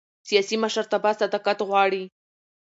سیاسي مشرتابه صداقت غواړي